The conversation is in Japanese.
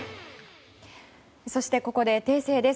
そして、ここで訂正です。